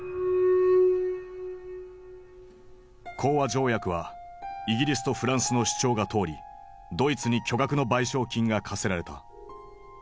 講和条約はイギリスとフランスの主張が通りドイツに巨額の賠償金が科せられた。